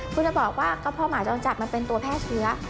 คุณจะบอกว่ากระเพาะหมาจรจัดมันเป็นตัวแพร่เชื้อ